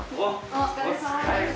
お疲れさまです！